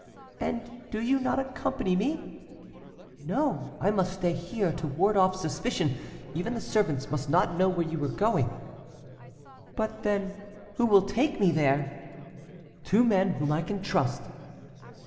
'And do you not accompany me?' 'No, I must stay here, to ward off suspicion; even the servants must not know where you are going.' 'But then, who will take me there?' 'Two men whom I can trust.